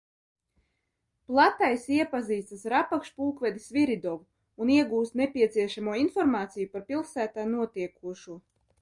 Platais iepazīstas ar apakšpulkvedi Sviridovu un iegūst nepieciešamo informāciju par pilsētā notiekošo.